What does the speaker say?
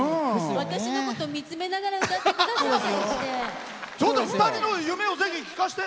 私のことを見つめながら歌ってくださって。